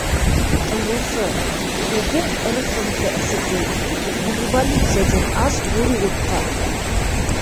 Ырыҫы... һеҙҙең ырыҫығыҙҙы, әсәкәй, р- революция тигән ас бүре йотҡан.